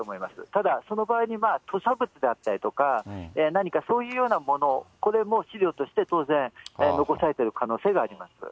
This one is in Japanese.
ただ、その場合に吐しゃ物であったりだとか、何かそういうようなもの、これも資料として当然、残されてる可能性があります。